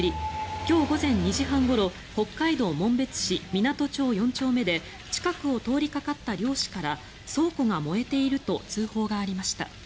今日午前２時半ごろ北海道紋別市港町４丁目で近くを通りかかった漁師から倉庫が燃えていると通報がありました。